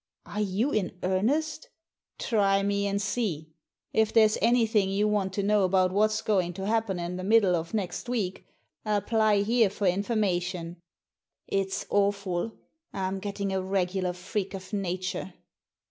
Are you in earnest ?"Try me and see ! If there's anything you want to know about what's going to happen in the middle of next week, apply here for information. It's awful — I'm getting a r^^lar freak of nature."